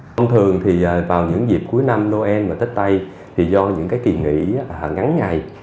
thông thường thì vào những dịp cuối năm noel và tết tây thì do những kỳ nghỉ ngắn ngày